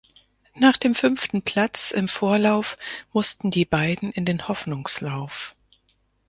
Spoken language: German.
Nach dem fünften Platz im Vorlauf mussten die beiden in den Hoffnungslauf.